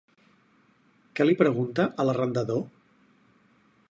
Què li pregunta a l'arrendador?